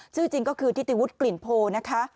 จริงก็คือทิติวุฒิกลิ่นโพนะคะ